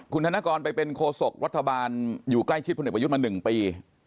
คุณธนกรไปเป็นโคศกรัฐบาลอยู่ใกล้ชิดพลเอกประยุทธ์มา๑ปี